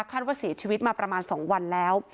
ว่าเสียชีวิตมาประมาณ๒วันแล้ว